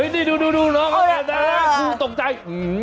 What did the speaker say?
นี่ดูน้องเห็นได้ครูตกใจ